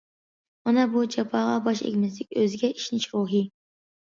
مانا بۇ جاپاغا باش ئەگمەسلىك، ئۆزىگە ئىشىنىش روھى.